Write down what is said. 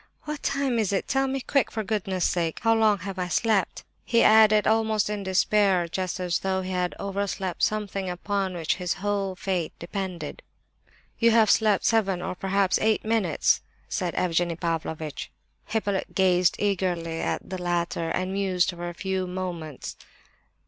"What time is it? Tell me, quick, for goodness' sake! How long have I slept?" he added, almost in despair, just as though he had overslept something upon which his whole fate depended. "You have slept seven or perhaps eight minutes," said Evgenie Pavlovitch. Hippolyte gazed eagerly at the latter, and mused for a few moments.